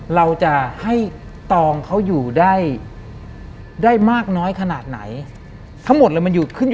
หลังจากนั้นเราไม่ได้คุยกันนะคะเดินเข้าบ้านอืม